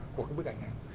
của bức ảnh này